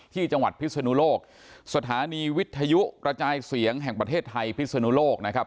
ที่จังหวัดพิศนุโลกสถานีวิทยุกระจายเสียงแห่งประเทศไทยพิศนุโลกนะครับ